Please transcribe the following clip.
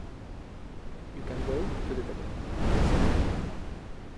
"You can go to the devil," said Cook.